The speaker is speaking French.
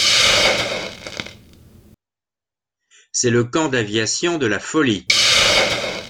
C'est le camp d'aviation de La Folie.